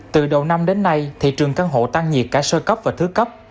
từ đầu năm đến nay thị trường căn hộ tăng nhiệt cả sơ cấp và thứ cấp